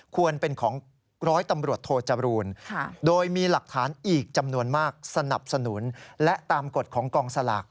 ควรเป็นของร้อยตำรวจโทจรูลโดยมีหลักฐานอีกจำนวนมากสนับสนุนและตามกฎของกองสลาก